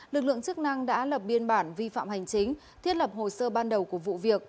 lực lượng chức năng đã lập biên bản vi phạm hành chính thiết lập hồ sơ ban đầu của vụ việc